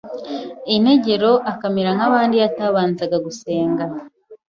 integer akamera nk’abandi iyo atabanzaga gusenga……………………………